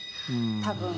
多分。